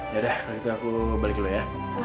yaudah kalau gitu aku balik dulu ya